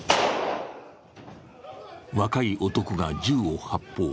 若い男が銃を発砲。